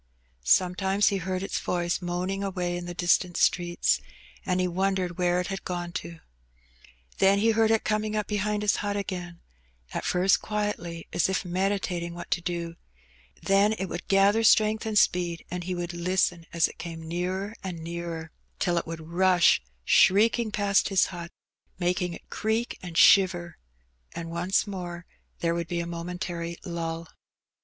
Sometimes he heard its voice moaning away in the distant streets, and he wondered where it had gone to. Then he heard it coming up behind his hut again, at first quietly, as if meditating what to do; then it would gather strength and speed, and he would listen as it came nearer and nearer, g2 ' 84 Her Benny. till it would rush shrieking past his hut^ making it creak and shiver^ and once more there would be a momentary lull.